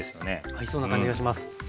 合いそうな感じがします。